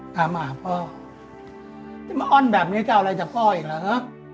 ตามหาพ่อจะมาอ้อนแบบนี้ก็อะไรจากพ่ออีกละฮะ